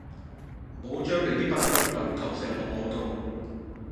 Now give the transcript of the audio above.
唔好將你啲不安感投射落我到